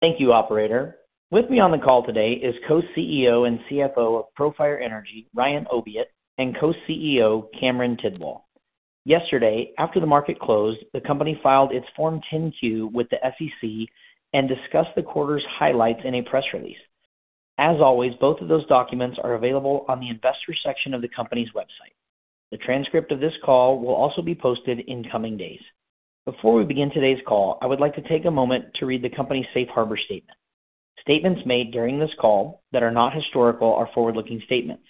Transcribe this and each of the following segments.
Thank you, operator. With me on the call today is Co-CEO and CFO of Profire Energy, Ryan Oviatt, and Co-CEO Cameron Tidball. Yesterday, after the market closed, the company filed its Form 10-Q with the SEC and discussed the quarter's highlights in a press release. As always, both of those documents are available on the investor section of the company's website. The transcript of this call will also be posted in coming days. Before we begin today's call, I would like to take a moment to read the company's Safe Harbor statement. Statements made during this call that are not historical are forward-looking statements.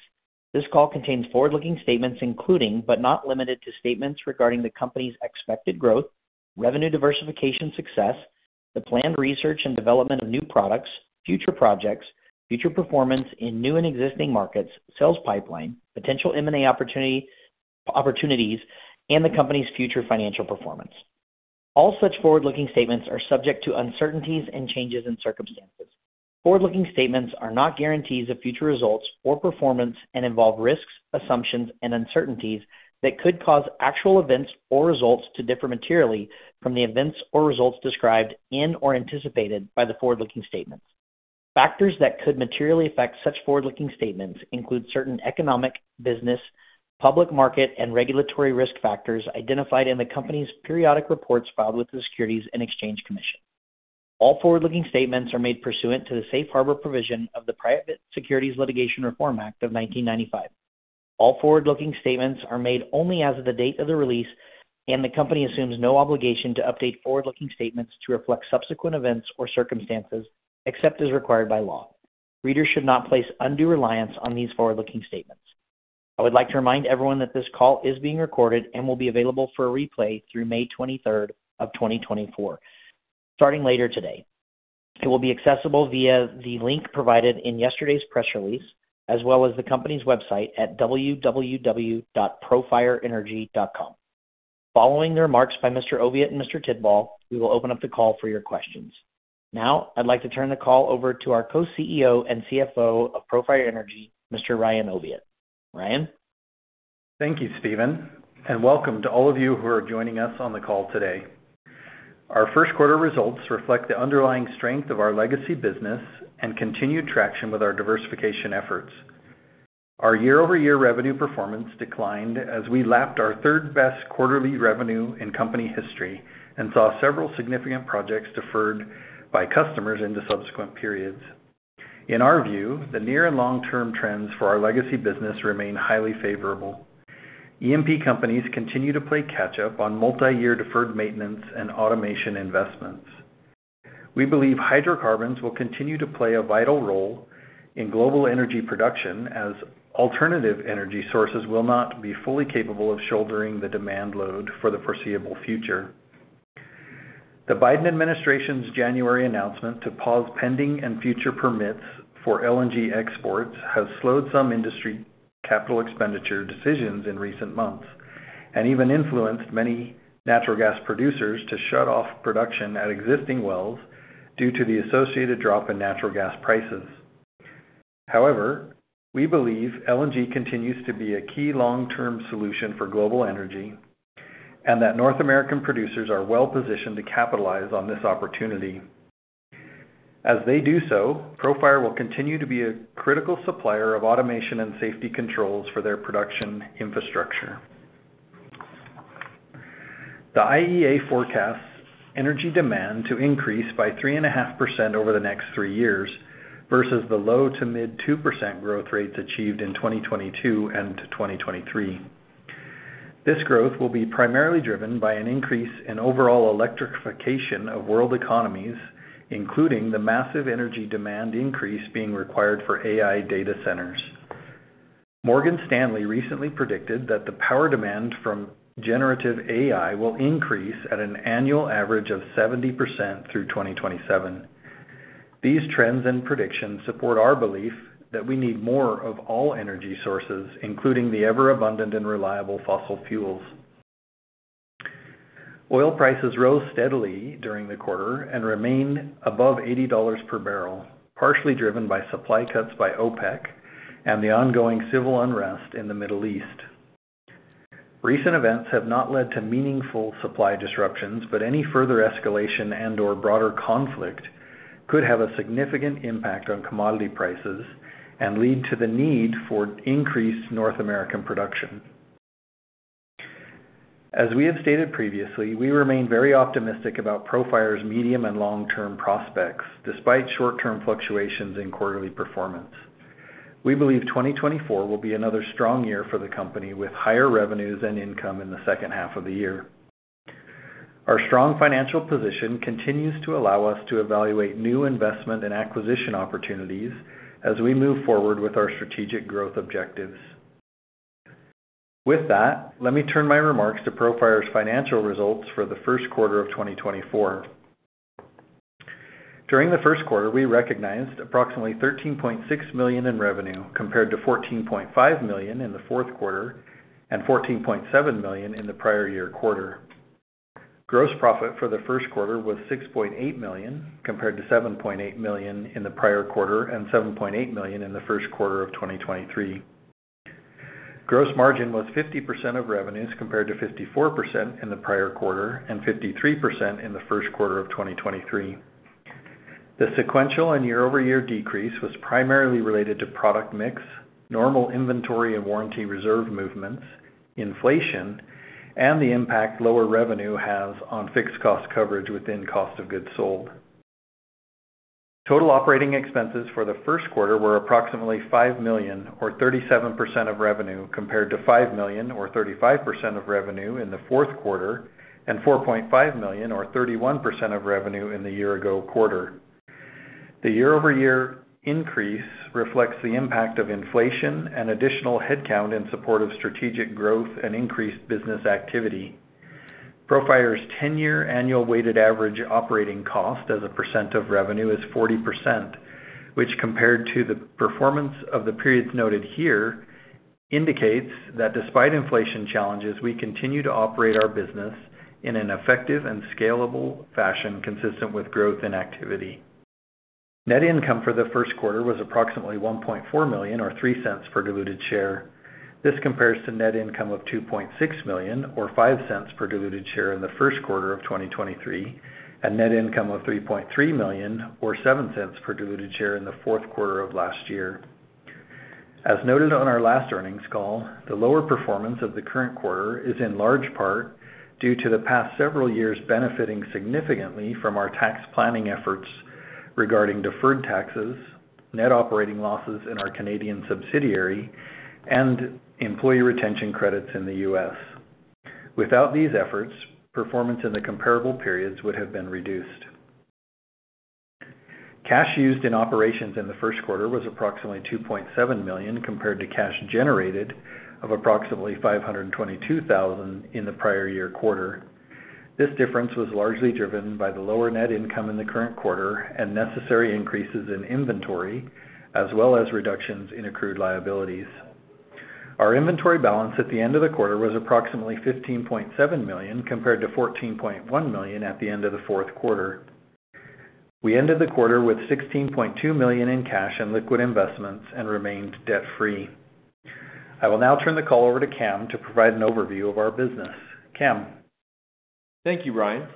This call contains forward-looking statements including, but not limited to, statements regarding the company's expected growth, revenue diversification success, the planned research and development of new products, future projects, future performance in new and existing markets, sales pipeline, potential M&A opportunities, and the company's future financial performance. All such forward-looking statements are subject to uncertainties and changes in circumstances. Forward-looking statements are not guarantees of future results or performance and involve risks, assumptions, and uncertainties that could cause actual events or results to differ materially from the events or results described in or anticipated by the forward-looking statements. Factors that could materially affect such forward-looking statements include certain economic, business, public market, and regulatory risk factors identified in the company's periodic reports filed with the Securities and Exchange Commission. All forward-looking statements are made pursuant to the safe harbor provision of the Private Securities Litigation Reform Act of 1995. All forward-looking statements are made only as of the date of the release, and the company assumes no obligation to update forward-looking statements to reflect subsequent events or circumstances except as required by law. Readers should not place undue reliance on these forward-looking statements. I would like to remind everyone that this call is being recorded and will be available for a replay through May 23rd of 2024, starting later today. It will be accessible via the link provided in yesterday's press release as well as the company's website at www.profireenergy.com. Following the remarks by Mr. Oviatt and Mr. Tidball, we will open up the call for your questions. Now, I'd like to turn the call over to our Co-CEO and CFO of Profire Energy, Mr. Ryan Oviatt. Ryan? Thank you, Steven, and welcome to all of you who are joining us on the call today. Our first quarter results reflect the underlying strength of our legacy business and continued traction with our diversification efforts. Our year-over-year revenue performance declined as we lapped our third-best quarterly revenue in company history and saw several significant projects deferred by customers into subsequent periods. In our view, the near and long-term trends for our legacy business remain highly favorable. E&P companies continue to play catch-up on multi-year deferred maintenance and automation investments. We believe hydrocarbons will continue to play a vital role in global energy production as alternative energy sources will not be fully capable of shouldering the demand load for the foreseeable future. The Biden administration's January announcement to pause pending and future permits for LNG exports has slowed some industry capital expenditure decisions in recent months and even influenced many natural gas producers to shut off production at existing wells due to the associated drop in natural gas prices. However, we believe LNG continues to be a key long-term solution for global energy and that North American producers are well positioned to capitalize on this opportunity. As they do so, Profire will continue to be a critical supplier of automation and safety controls for their production infrastructure. The IEA forecasts energy demand to increase by 3.5% over the next three years versus the low to mid-2% growth rates achieved in 2022 and 2023. This growth will be primarily driven by an increase in overall electrification of world economies, including the massive energy demand increase being required for AI data centers. Morgan Stanley recently predicted that the power demand from generative AI will increase at an annual average of 70% through 2027. These trends and predictions support our belief that we need more of all energy sources, including the ever-abundant and reliable fossil fuels. Oil prices rose steadily during the quarter and remained above $80 per barrel, partially driven by supply cuts by OPEC and the ongoing civil unrest in the Middle East. Recent events have not led to meaningful supply disruptions, but any further escalation and/or broader conflict could have a significant impact on commodity prices and lead to the need for increased North American production. As we have stated previously, we remain very optimistic about Profire's medium and long-term prospects despite short-term fluctuations in quarterly performance. We believe 2024 will be another strong year for the company with higher revenues and income in the second half of the year. Our strong financial position continues to allow us to evaluate new investment and acquisition opportunities as we move forward with our strategic growth objectives. With that, let me turn my remarks to Profire's financial results for the first quarter of 2024. During the first quarter, we recognized approximately $13.6 million in revenue compared to $14.5 million in the fourth quarter and $14.7 million in the prior year quarter. Gross profit for the first quarter was $6.8 million compared to $7.8 million in the prior quarter and $7.8 million in the first quarter of 2023. Gross margin was 50% of revenues compared to 54% in the prior quarter and 53% in the first quarter of 2023. The sequential and year-over-year decrease was primarily related to product mix, normal inventory and warranty reserve movements, inflation, and the impact lower revenue has on fixed cost coverage within cost of goods sold. Total operating expenses for the first quarter were approximately $5 million or 37% of revenue compared to $5 million or 35% of revenue in the fourth quarter and $4.5 million or 31% of revenue in the year-ago quarter. The year-over-year increase reflects the impact of inflation and additional headcount in support of strategic growth and increased business activity. Profire's 10-year annual weighted average operating cost as a percent of revenue is 40%, which compared to the performance of the periods noted here indicates that despite inflation challenges, we continue to operate our business in an effective and scalable fashion consistent with growth and activity. Net income for the first quarter was approximately $1.4 million or $0.03 per diluted share. This compares to net income of $2.6 million or $0.05 per diluted share in the first quarter of 2023 and net income of $3.3 million or $0.07 per diluted share in the fourth quarter of last year. As noted on our last earnings call, the lower performance of the current quarter is in large part due to the past several years benefiting significantly from our tax planning efforts regarding deferred taxes, net operating losses in our Canadian subsidiary, and employee retention credits in the U.S. Without these efforts, performance in the comparable periods would have been reduced. Cash used in operations in the first quarter was approximately $2.7 million compared to cash generated of approximately $522,000 in the prior year quarter. This difference was largely driven by the lower net income in the current quarter and necessary increases in inventory as well as reductions in accrued liabilities. Our inventory balance at the end of the quarter was approximately $15.7 million compared to $14.1 million at the end of the fourth quarter. We ended the quarter with $16.2 million in cash and liquid investments and remained debt-free. I will now turn the call over to Cam to provide an overview of our business. Cam. Thank you, Ryan.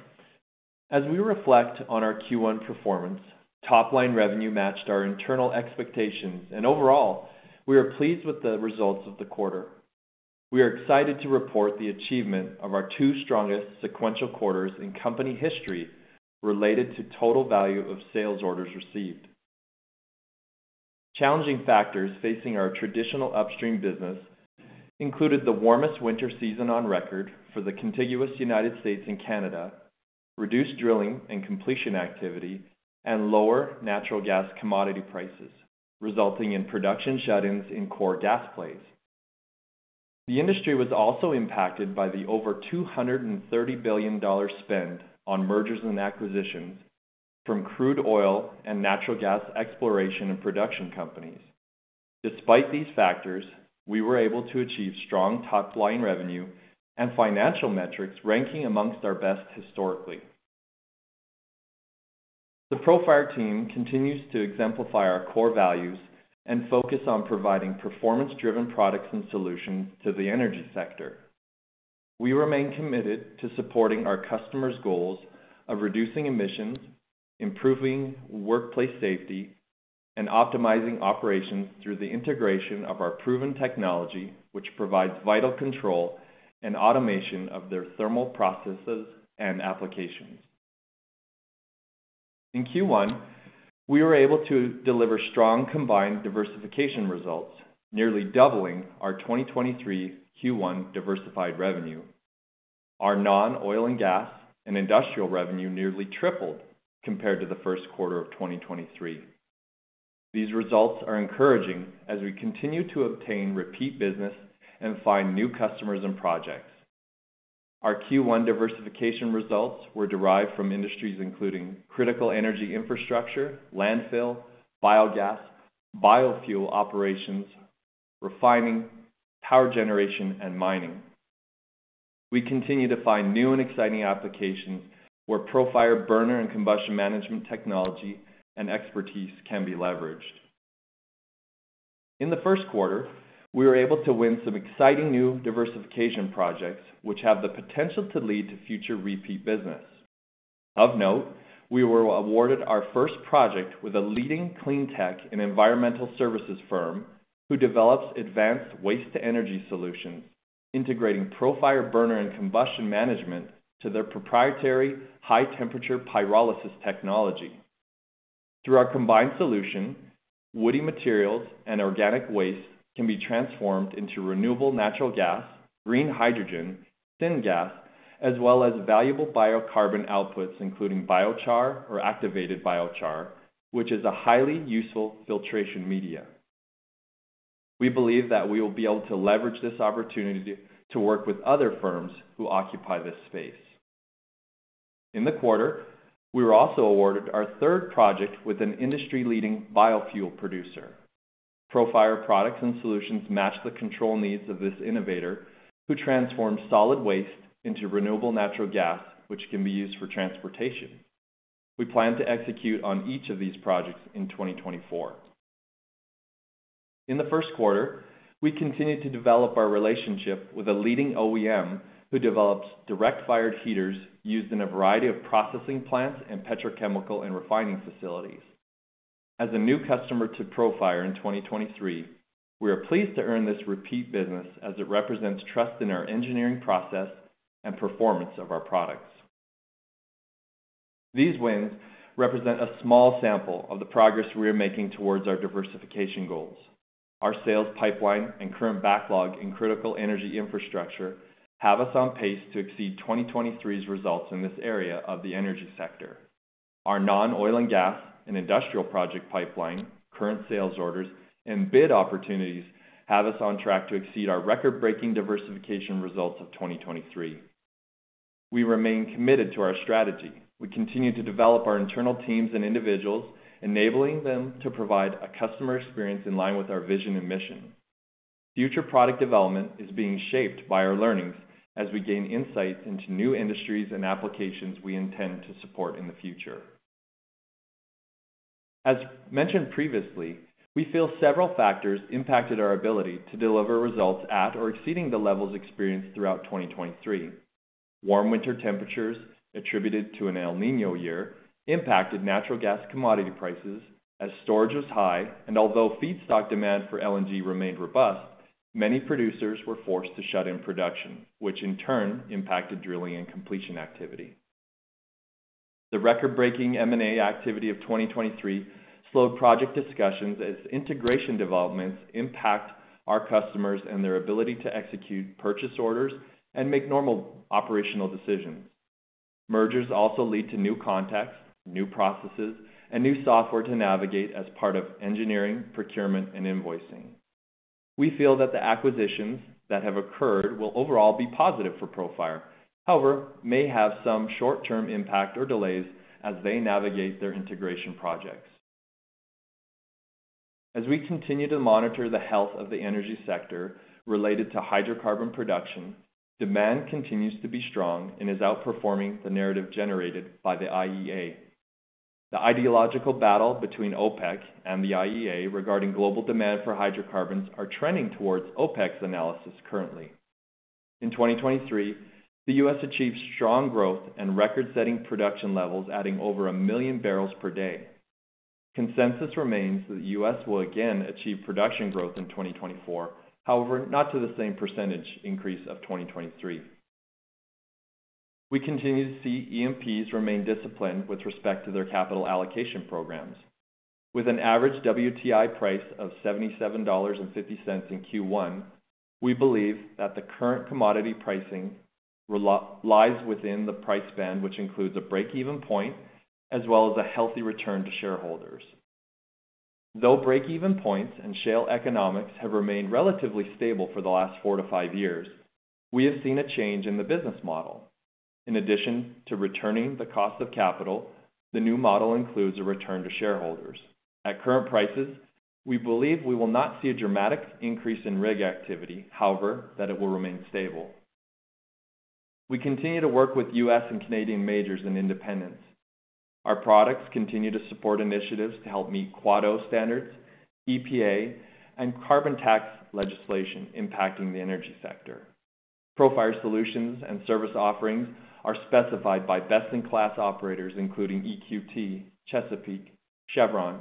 As we reflect on our Q1 performance, top-line revenue matched our internal expectations, and overall, we are pleased with the results of the quarter. We are excited to report the achievement of our two strongest sequential quarters in company history related to total value of sales orders received. Challenging factors facing our traditional upstream business included the warmest winter season on record for the contiguous United States and Canada, reduced drilling and completion activity, and lower natural gas commodity prices resulting in production shutdowns in core gas plays. The industry was also impacted by the over $230 billion spend on mergers and acquisitions from crude oil and natural gas exploration and production companies. Despite these factors, we were able to achieve strong top-line revenue and financial metrics ranking amongst our best historically. The Profire team continues to exemplify our core values and focus on providing performance-driven products and solutions to the energy sector. We remain committed to supporting our customers' goals of reducing emissions, improving workplace safety, and optimizing operations through the integration of our proven technology, which provides vital control and automation of their thermal processes and applications. In Q1, we were able to deliver strong combined diversification results, nearly doubling our 2023 Q1 diversified revenue. Our non-oil and gas and industrial revenue nearly tripled compared to the first quarter of 2023. These results are encouraging as we continue to obtain repeat business and find new customers and projects. Our Q1 diversification results were derived from industries including critical energy infrastructure, landfill, biogas, biofuel operations, refining, power generation, and mining. We continue to find new and exciting applications where Profire burner and combustion management technology and expertise can be leveraged. In the first quarter, we were able to win some exciting new diversification projects which have the potential to lead to future repeat business. Of note, we were awarded our first project with a leading cleantech and environmental services firm who develops advanced waste-to-energy solutions integrating Profire burner and combustion management to their proprietary high-temperature pyrolysis technology. Through our combined solution, woody materials and organic waste can be transformed into renewable natural gas, green hydrogen, syngas, as well as valuable biocarbon outputs including biochar or activated biochar, which is a highly useful filtration media. We believe that we will be able to leverage this opportunity to work with other firms who occupy this space. In the quarter, we were also awarded our third project with an industry-leading biofuel producer. Profire products and solutions match the control needs of this innovator who transforms solid waste into renewable natural gas, which can be used for transportation. We plan to execute on each of these projects in 2024. In the first quarter, we continue to develop our relationship with a leading OEM who develops direct-fired heaters used in a variety of processing plants and petrochemical and refining facilities. As a new customer to Profire in 2023, we are pleased to earn this repeat business as it represents trust in our engineering process and performance of our products. These wins represent a small sample of the progress we are making towards our diversification goals. Our sales pipeline and current backlog in critical energy infrastructure have us on pace to exceed 2023's results in this area of the energy sector. Our non-oil and gas and industrial project pipeline, current sales orders, and bid opportunities have us on track to exceed our record-breaking diversification results of 2023. We remain committed to our strategy. We continue to develop our internal teams and individuals, enabling them to provide a customer experience in line with our vision and mission. Future product development is being shaped by our learnings as we gain insights into new industries and applications we intend to support in the future. As mentioned previously, we feel several factors impacted our ability to deliver results at or exceeding the levels experienced throughout 2023. Warm winter temperatures attributed to an El Niño year impacted natural gas commodity prices as storage was high, and although feedstock demand for LNG remained robust, many producers were forced to shut in production, which in turn impacted drilling and completion activity. The record-breaking M&A activity of 2023 slowed project discussions as integration developments impact our customers and their ability to execute purchase orders and make normal operational decisions. Mergers also lead to new contacts, new processes, and new software to navigate as part of engineering, procurement, and invoicing. We feel that the acquisitions that have occurred will overall be positive for Profire, however, may have some short-term impact or delays as they navigate their integration projects. As we continue to monitor the health of the energy sector related to hydrocarbon production, demand continues to be strong and is outperforming the narrative generated by the IEA. The ideological battle between OPEC and the IEA regarding global demand for hydrocarbons are trending towards OPEC's analysis currently. In 2023, the U.S. achieved strong growth and record-setting production levels, adding over 1 million barrels per day. Consensus remains that the U.S. will again achieve production growth in 2024, however, not to the same percentage increase of 2023. We continue to see E&Ps remain disciplined with respect to their capital allocation programs. With an average WTI price of $77.50 in Q1, we believe that the current commodity pricing lies within the price band which includes a breakeven point as well as a healthy return to shareholders. Though breakeven points and shale economics have remained relatively stable for the last four to five years, we have seen a change in the business model. In addition to returning the cost of capital, the new model includes a return to shareholders. At current prices, we believe we will not see a dramatic increase in rig activity, however, that it will remain stable. We continue to work with U.S. and Canadian majors and independents. Our products continue to support initiatives to help meet Quad O standards, EPA, and carbon tax legislation impacting the energy sector. Profire solutions and service offerings are specified by best-in-class operators including EQT, Chesapeake, Chevron,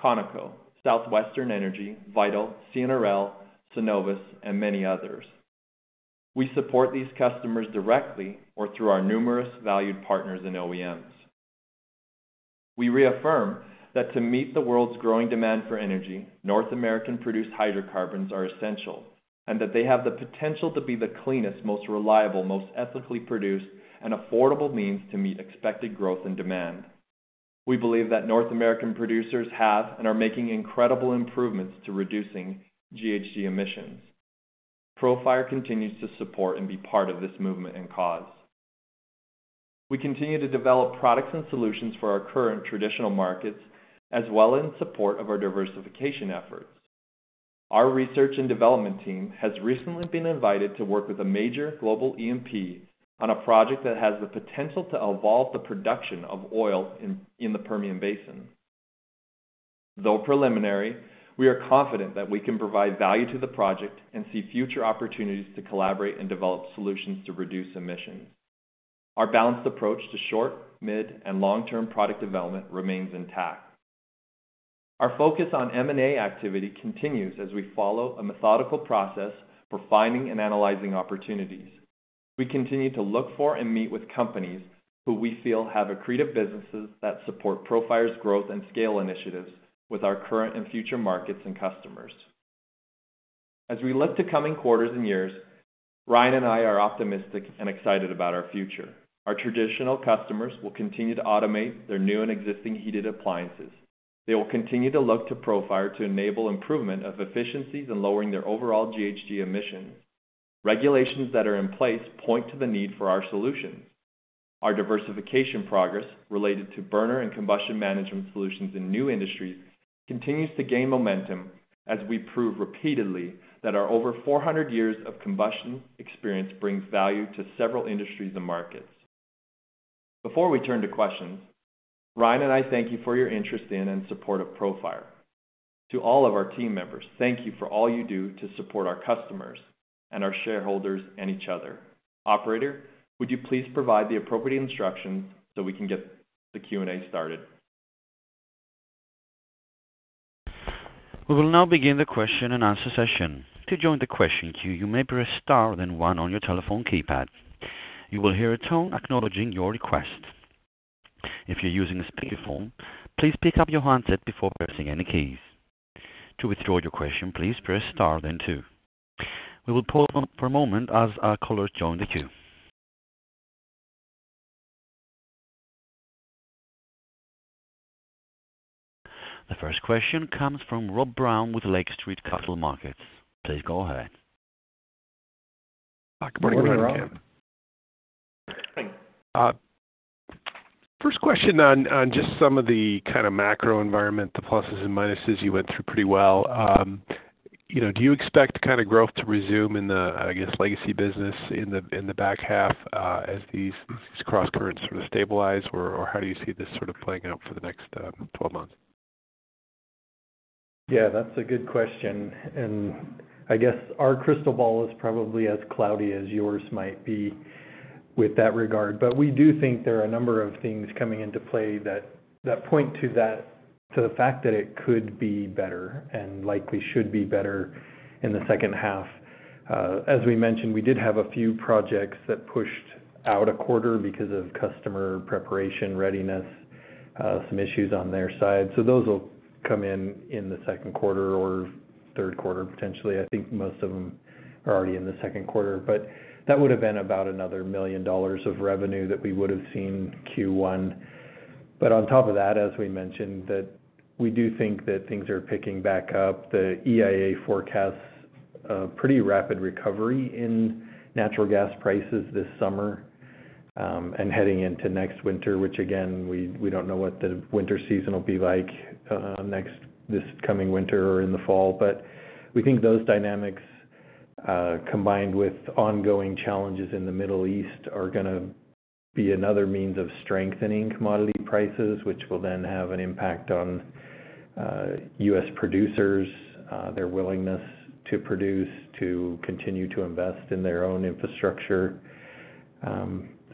Conoco, Southwestern Energy, Vital, CNRL, Cenovus, and many others. We support these customers directly or through our numerous valued partners and OEMs. We reaffirm that to meet the world's growing demand for energy, North American-produced hydrocarbons are essential and that they have the potential to be the cleanest, most reliable, most ethically produced, and affordable means to meet expected growth and demand. We believe that North American producers have and are making incredible improvements to reducing GHG emissions. Profire continues to support and be part of this movement and cause. We continue to develop products and solutions for our current traditional markets as well in support of our diversification efforts. Our research and development team has recently been invited to work with a major global E&P on a project that has the potential to evolve the production of oil in the Permian Basin. Though preliminary, we are confident that we can provide value to the project and see future opportunities to collaborate and develop solutions to reduce emissions. Our balanced approach to short, mid, and long-term product development remains intact. Our focus on M&A activity continues as we follow a methodical process for finding and analyzing opportunities. We continue to look for and meet with companies who we feel have accretive businesses that support Profire's growth and scale initiatives with our current and future markets and customers. As we look to coming quarters and years, Ryan and I are optimistic and excited about our future. Our traditional customers will continue to automate their new and existing heated appliances. They will continue to look to Profire to enable improvement of efficiencies in lowering their overall GHG emissions. Regulations that are in place point to the need for our solutions. Our diversification progress related to burner and combustion management solutions in new industries continues to gain momentum as we prove repeatedly that our over 400 years of combustion experience brings value to several industries and markets. Before we turn to questions, Ryan and I thank you for your interest in and support of Profire. To all of our team members, thank you for all you do to support our customers and our shareholders and each other. Operator, would you please provide the appropriate instructions so we can get the Q&A started? We will now begin the question and answer session. To join the question queue, you may press star then one on your telephone keypad. You will hear a tone acknowledging your request. If you're using a speakerphone, please pick up your handset before pressing any keys. To withdraw your question, please press star then two. We will pause for a moment as our callers join the queue. The first question comes from Rob Brown with Lake Street Capital Markets. Please go ahead. Good morning, Rob. Good morning, Cam. First question on just some of the kind of macro environment, the pluses and minuses you went through pretty well. Do you expect kind of growth to resume in the, I guess, legacy business in the back half as these cross-currents sort of stabilize, or how do you see this sort of playing out for the next 12 months? Yeah, that's a good question. And I guess our crystal ball is probably as cloudy as yours might be with that regard. But we do think there are a number of things coming into play that point to the fact that it could be better and likely should be better in the second half. As we mentioned, we did have a few projects that pushed out a quarter because of customer preparation, readiness, some issues on their side. So those will come in the second quarter or third quarter, potentially. I think most of them are already in the second quarter. But that would have been about another $1 million of revenue that we would have seen Q1. But on top of that, as we mentioned, we do think that things are picking back up. The EIA forecasts a pretty rapid recovery in natural gas prices this summer and heading into next winter, which again, we don't know what the winter season will be like this coming winter or in the fall. But we think those dynamics combined with ongoing challenges in the Middle East are going to be another means of strengthening commodity prices, which will then have an impact on U.S. producers, their willingness to produce, to continue to invest in their own infrastructure.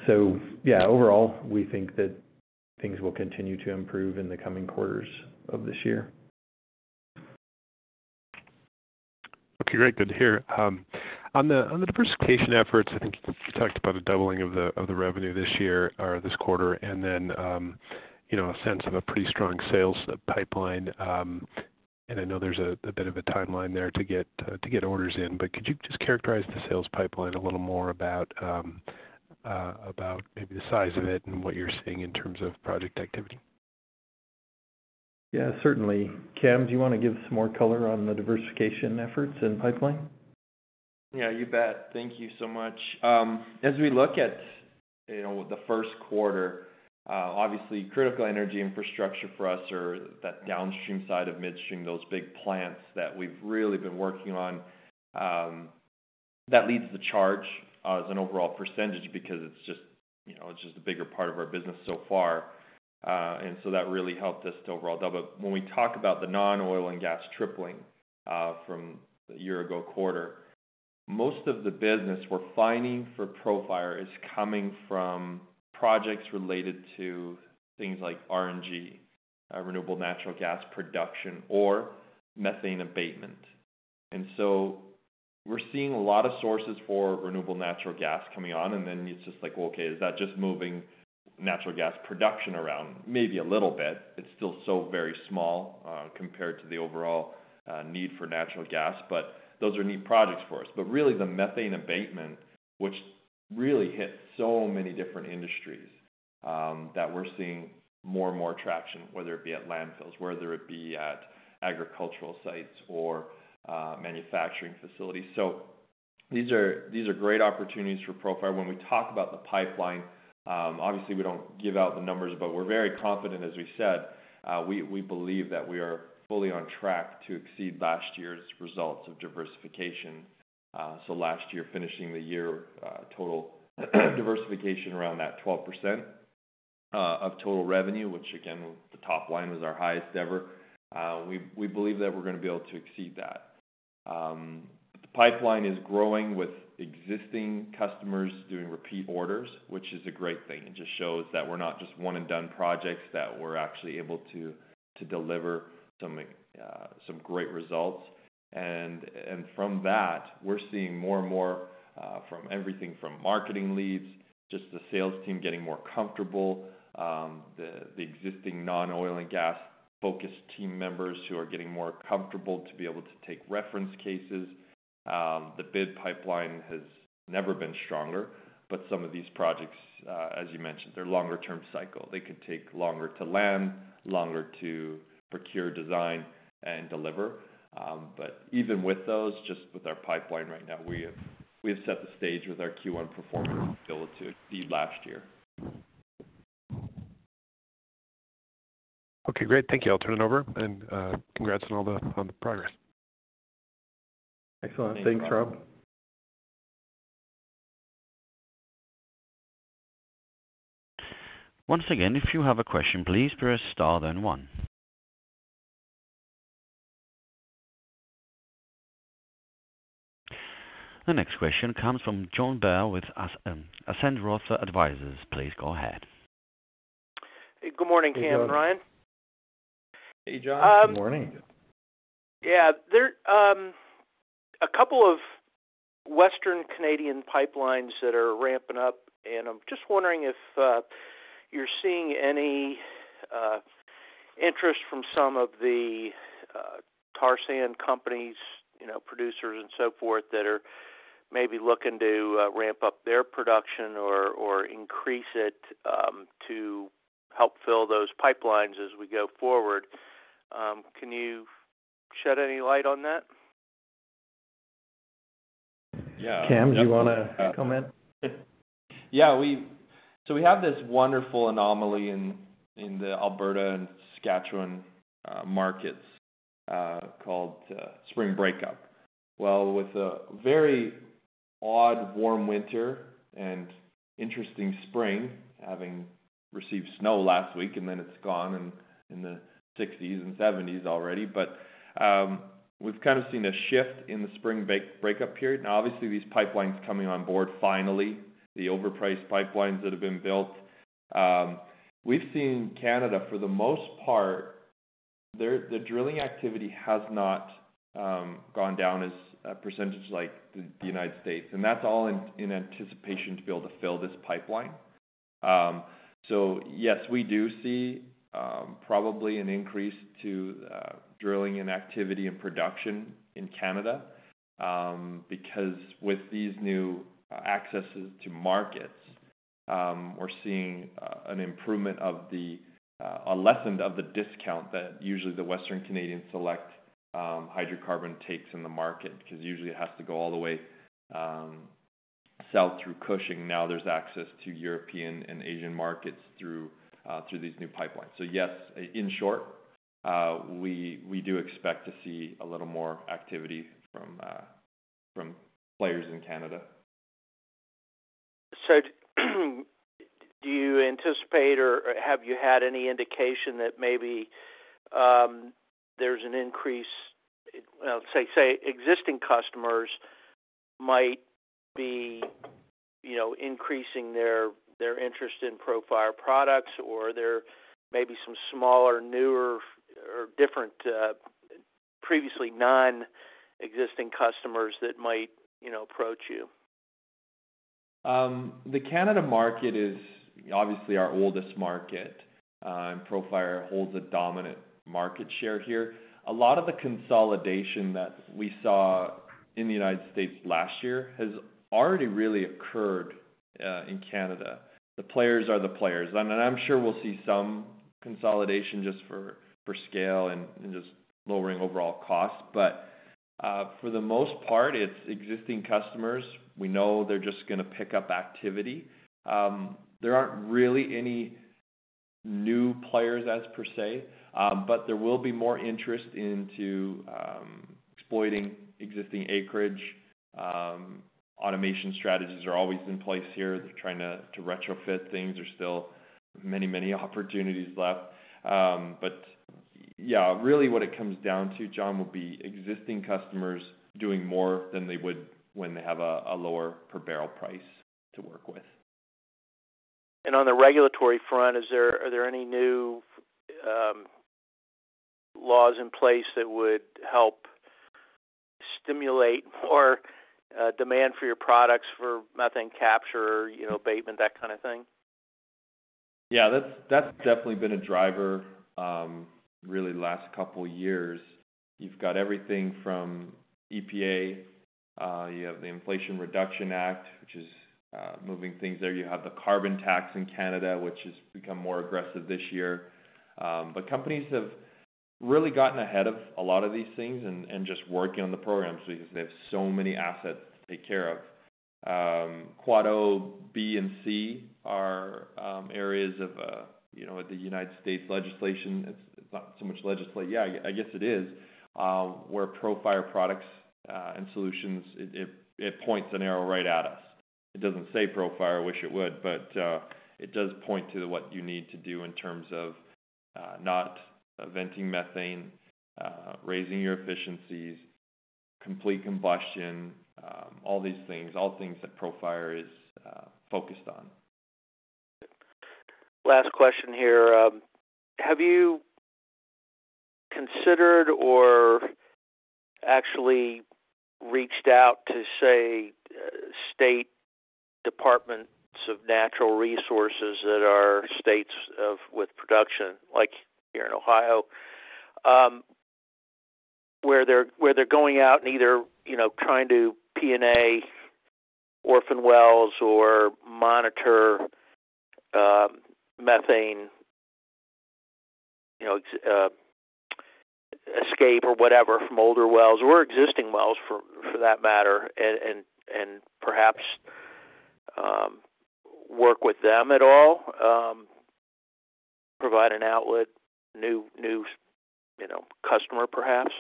So yeah, overall, we think that things will continue to improve in the coming quarters of this year. Okay, great. Good to hear. On the diversification efforts, I think you talked about a doubling of the revenue this quarter and then a sense of a pretty strong sales pipeline. And I know there's a bit of a timeline there to get orders in. But could you just characterize the sales pipeline a little more about maybe the size of it and what you're seeing in terms of project activity? Yeah, certainly. Cam, do you want to give some more color on the diversification efforts and pipeline? Yeah, you bet. Thank you so much. As we look at the first quarter, obviously, critical energy infrastructure for us are that downstream side of midstream, those big plants that we've really been working on. That leads the charge as an overall percentage because it's just a bigger part of our business so far. And so that really helped us to overall double. But when we talk about the non-oil and gas tripling from the year-ago quarter, most of the business we're finding for Profire is coming from projects related to things like RNG, renewable natural gas production, or methane abatement. And so we're seeing a lot of sources for renewable natural gas coming on. And then it's just like, "Well, okay, is that just moving natural gas production around?" Maybe a little bit. It's still so very small compared to the overall need for natural gas. But those are neat projects for us. But really, the methane abatement, which really hits so many different industries, that we're seeing more and more traction, whether it be at landfills, whether it be at agricultural sites or manufacturing facilities. So these are great opportunities for Profire. When we talk about the pipeline, obviously, we don't give out the numbers. But we're very confident, as we said. We believe that we are fully on track to exceed last year's results of diversification. So last year, finishing the year, total diversification around that 12% of total revenue, which again, the top line was our highest ever, we believe that we're going to be able to exceed that. The pipeline is growing with existing customers doing repeat orders, which is a great thing. It just shows that we're not just one-and-done projects, that we're actually able to deliver some great results. From that, we're seeing more and more from everything from marketing leads, just the sales team getting more comfortable, the existing non-oil and gas-focused team members who are getting more comfortable to be able to take reference cases. The bid pipeline has never been stronger. But some of these projects, as you mentioned, they're longer-term cycle. They could take longer to land, longer to procure design, and deliver. But even with those, just with our pipeline right now, we have set the stage with our Q1 performance to be able to exceed last year. Okay, great. Thank you. I'll turn it over. Congrats on all the progress. Excellent. Thanks, Rob. Once again, if you have a question, please press star then one. The next question comes from John Beisler with Three Part Advisors. Please go ahead. Hey, good morning, Cam and Ryan. Hey, John. Good morning. Yeah, there are a couple of Western Canadian pipelines that are ramping up. I'm just wondering if you're seeing any interest from some of the tar sands companies, producers, and so forth that are maybe looking to ramp up their production or increase it to help fill those pipelines as we go forward. Can you shed any light on that? Yeah. Cam, do you want to comment? Yeah. So we have this wonderful anomaly in the Alberta and Saskatchewan markets called Spring Breakup. Well, with a very odd warm winter and interesting spring, having received snow last week, and then it's gone in the 60s and 70s already. But we've kind of seen a shift in the Spring Breakup period. Now, obviously, these pipelines coming on board finally, the overpriced pipelines that have been built. We've seen Canada, for the most part, the drilling activity has not gone down as a percentage like the United States. And that's all in anticipation to be able to fill this pipeline. So yes, we do see probably an increase to drilling and activity and production in Canada. Because with these new accesses to markets, we're seeing an improvement in the lessening of the discount that usually the Western Canadian Select takes in the market because usually it has to go all the way south through Cushing. Now, there's access to European and Asian markets through these new pipelines. So yes, in short, we do expect to see a little more activity from players in Canada. So do you anticipate or have you had any indication that maybe there's an increase, say existing customers might be increasing their interest in Profire products, or there may be some smaller, newer, or different, previously non-existing customers that might approach you? The Canada market is obviously our oldest market, and Profire holds a dominant market share here. A lot of the consolidation that we saw in the United States last year has already really occurred in Canada. The players are the players. I'm sure we'll see some consolidation just for scale and just lowering overall costs. For the most part, it's existing customers. We know they're just going to pick up activity. There aren't really any new players per se. There will be more interest in exploiting existing acreage. Automation strategies are always in place here. They're trying to retrofit things. There's still many, many opportunities left. But yeah, really, what it comes down to, John, will be existing customers doing more than they would when they have a lower per barrel price to work with. On the regulatory front, are there any new laws in place that would help stimulate more demand for your products for methane capture, abatement, that kind of thing? Yeah, that's definitely been a driver really the last couple of years. You've got everything from EPA. You have the Inflation Reduction Act, which is moving things there. You have the carbon tax in Canada, which has become more aggressive this year. But companies have really gotten ahead of a lot of these things and just working on the programs because they have so many assets to take care of. Quad O, B, and C are areas of the United States legislation. It's not so much legislation. Yeah, I guess it is, where Profire products and solutions, it points an arrow right at us. It doesn't say Profire. I wish it would. But it does point to what you need to do in terms of not venting methane, raising your efficiencies, complete combustion, all these things, all things that Profire is focused on. Last question here. Have you considered or actually reached out to, say, state departments of natural resources that are states with production, like here in Ohio, where they're going out and either trying to P&A orphan wells or monitor methane escape or whatever from older wells or existing wells, for that matter, and perhaps work with them at all, provide an outlet, new customer, perhaps?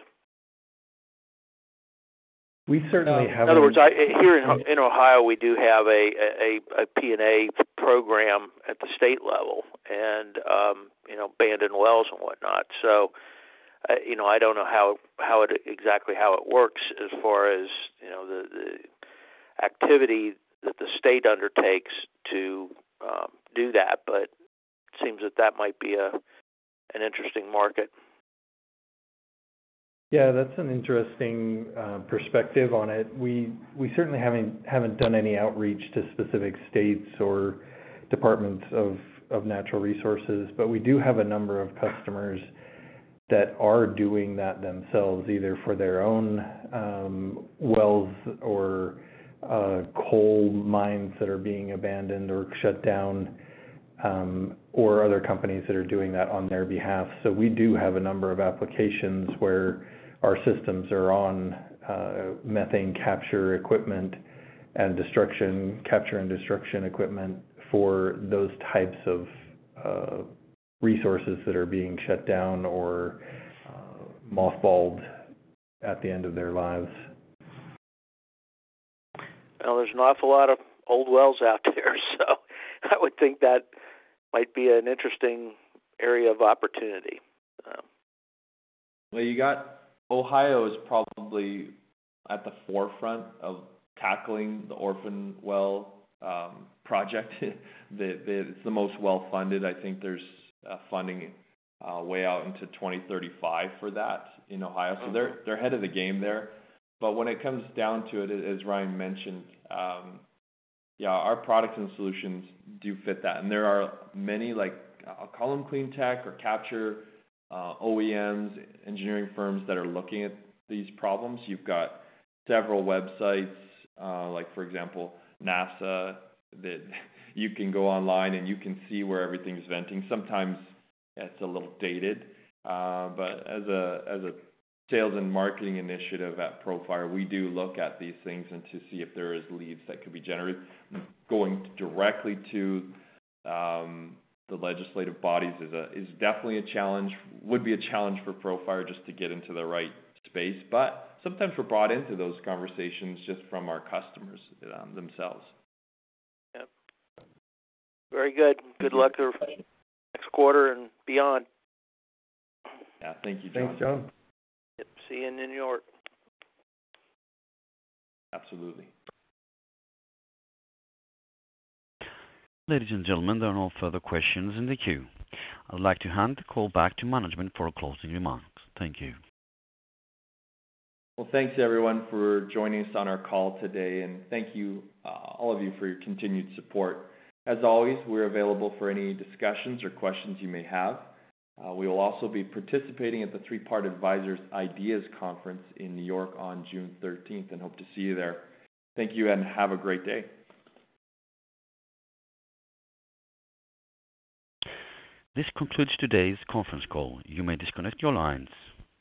We certainly haven't. In other words, here in Ohio, we do have a P&A program at the state level and abandoned wells and whatnot. So I don't know exactly how it works as far as the activity that the state undertakes to do that. But it seems that that might be an interesting market. Yeah, that's an interesting perspective on it. We certainly haven't done any outreach to specific states or departments of natural resources. But we do have a number of customers that are doing that themselves, either for their own wells or coal mines that are being abandoned or shut down, or other companies that are doing that on their behalf. So we do have a number of applications where our systems are on methane capture equipment and destruction, capture and destruction equipment for those types of resources that are being shut down or mothballed at the end of their lives. Well, there's an awful lot of old wells out there. I would think that might be an interesting area of opportunity. Well, Ohio is probably at the forefront of tackling the orphan well project. It's the most well-funded. I think there's funding way out into 2035 for that in Ohio. So they're ahead of the game there. But when it comes down to it, as Ryan mentioned, yeah, our products and solutions do fit that. And there are many, I'll call them cleantech or capture OEMs, engineering firms that are looking at these problems. You've got several websites, for example, NASA. You can go online, and you can see where everything's venting. Sometimes it's a little dated. But as a sales and marketing initiative at Profire, we do look at these things and to see if there are leads that could be generated. Going directly to the legislative bodies is definitely a challenge, would be a challenge for Profire just to get into the right space. But sometimes we're brought into those conversations just from our customers themselves. Yep. Very good. Good luck next quarter and beyond. Yeah. Thank you, John. Thanks, John. Yep. See you in New York. Absolutely. Ladies and gentlemen, there are no further questions in the queue. I'd like to hand the call back to management for closing remarks. Thank you. Well, thanks, everyone, for joining us on our call today. Thank you, all of you, for your continued support. As always, we're available for any discussions or questions you may have. We will also be participating at the Three Part Advisors' IDEAS Conference in New York on June 13th and hope to see you there. Thank you, and have a great day. This concludes today's conference call. You may disconnect your lines.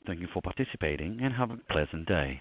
Thank you for participating, and have a pleasant day.